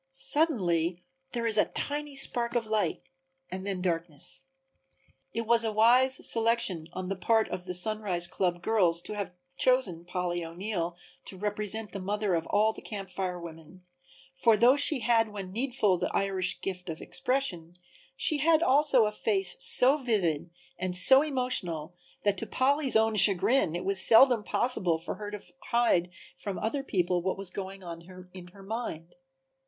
Suddenly there is a tiny spark of light and then darkness. It was a wise selection on the part of the Sunrise club girls to have chosen Polly O'Neill to represent the mother of all the Camp Fire women, for though she had when needful the Irish gift of expression, she had also a face so vivid and so emotional that to Polly's own chagrin it was seldom possible for her to hide from other people what was going on in her mind.